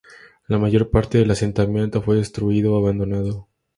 La mayor parte del asentamiento fue destruido o abandonado.